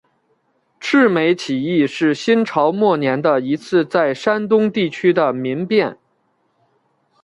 赤眉起义是新朝末年的一次在山东地区的民变。